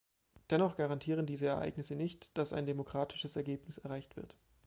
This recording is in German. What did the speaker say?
Dennoch garantieren diese Ereignisse nicht, dass ein demokratisches Ergebnis erreicht wird.